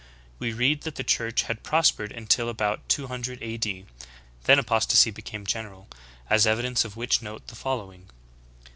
We read that the Church had prospered until about 200 A. D. Then apostasy became general, as evidence of which note the follow ing : 23.